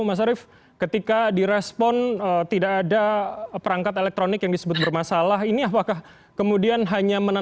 mas arief ketika direspon tidak ada perangkat elektronik yang disebut bermasalah ini apakah kemudian hanya menentukan